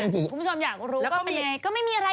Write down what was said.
คุณผู้ชมอยากรู้ก็ไม่มีอะไร